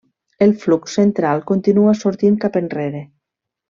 El flux central continua sortint cap enrere.